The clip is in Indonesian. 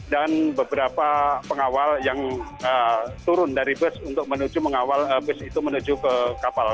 dan beberapa pengawal yang turun dari bus untuk menuju mengawal bus itu menuju ke kapal